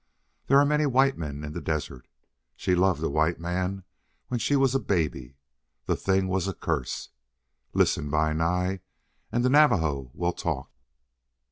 There are many white men in the desert. She loved a white man when she was a baby. The thing was a curse. ... Listen, Bi Nai, and the Navajo will talk.